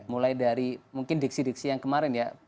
mulai dari mungkin diksi diksi yang kemarin ya